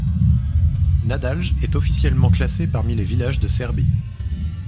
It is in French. Nadalj est officiellement classé parmi les villages de Serbie.